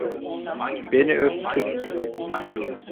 Beni öptü.